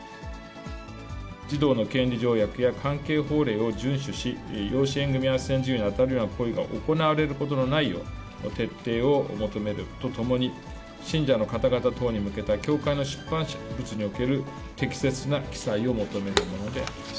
児童の権利条約や関係法令を順守し、養子縁組あっせん事業に当たるような行為が行われることのないよう、徹底を求めるとともに、信者の方々等に向けた教会の出版物における適切な記載を求めるものであります。